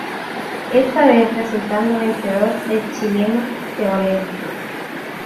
Esta vez resultando vencedor el chileno Teorema.